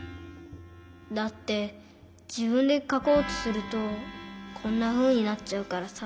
だってじぶんでかこうとするとこんなふうになっちゃうからさ。